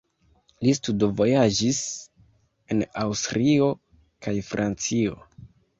Li studvojaĝis en Aŭstrio kaj Francio.